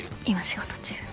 今仕事中